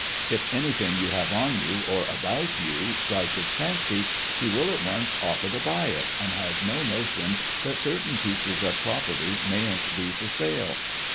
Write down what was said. If anything you have on you, or about you strike his fancy, he will at once offer to buy it, and has no notion that certain pieces of pro perty mayn't be for sale.